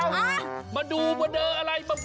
ว่าเดอะเดอะ